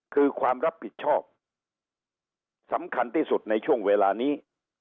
คือความรับผิดชอบสำคัญที่สุดในช่วงเวลานี้